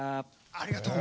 ありがとう。